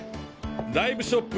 ダイブショップ